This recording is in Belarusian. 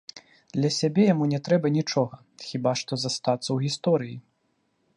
Для сябе яму не трэба нічога, хіба што застацца ў гісторыі.